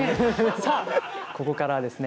さあここからはですね